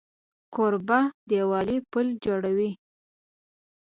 کوربه د یووالي پل جوړوي.